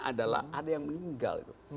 adalah ada yang meninggal itu